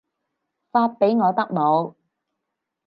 發畀我得冇